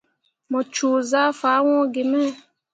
Mu coo zah fah hun gi me.